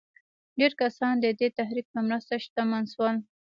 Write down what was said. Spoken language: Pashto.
ډېر کسان د دې تحرک په مرسته شتمن شول.